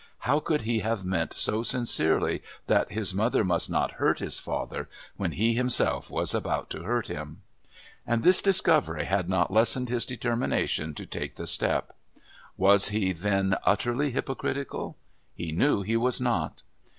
How could he have meant so sincerely that his mother must not hurt his father when he himself was about to hurt him? And this discovery had not lessened his determination to take the step. Was he, then, utterly hypocritical? He knew he was not.